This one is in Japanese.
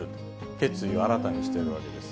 決意を新たにしてるわけです。